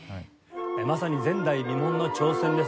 まさに前代未聞の挑戦です。